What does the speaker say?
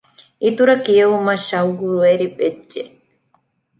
އިތުރަށް ކިޔެވުމަށް ޝަައުޤުވެރިވެއްޖެ